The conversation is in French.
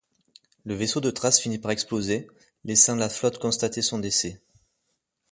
Le vaisseau de Thrace finit par exploser, laissant la flotte constater son décès.